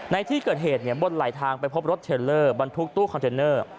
ในที่เกิดเหตุบนไหลทางไปพบรถเทลเลอร์บรรทุกตู้คอนเทนเนอร์